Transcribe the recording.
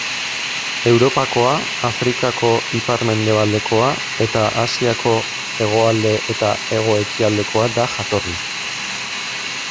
Europakoa, Afrikako ipar-mendebaldekoa, eta Asiako hegoalde eta hego-ekialdekoa da jatorriz.